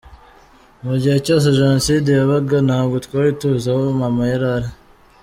Mu gihe cyose Jenoside yabaga, ntabwo twari tuzi aho mama yari ari.